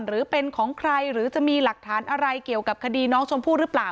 หรือเป็นของใครหรือจะมีหลักฐานอะไรเกี่ยวกับคดีน้องชมพู่หรือเปล่า